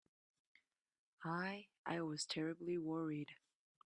I—I was terribly worried.